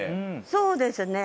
そうですね。